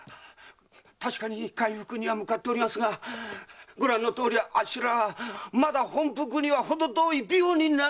確かに回復には向かっておりますがご覧のとおりあっしらはまだ本復にはほど遠い病人なんで。